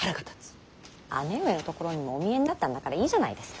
姉上のところにもお見えになったんだからいいじゃないですか。